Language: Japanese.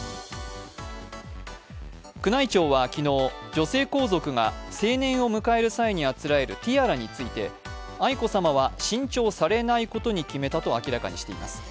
宮内庁は昨日、女性皇族が成年を迎える際にあつらえるティアラについて愛子さまは新調されないことに決めたと明らかにしています。